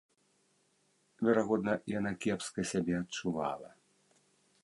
Верагодна, яна кепска сябе адчувала.